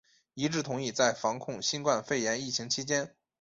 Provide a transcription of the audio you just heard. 一致同意在防控新冠肺炎疫情期间